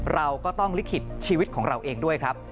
เราก็ต้องลิขิตชีวิตของเราเองด้วยครับ